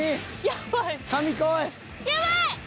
やばい！